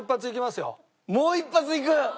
もう一発いく？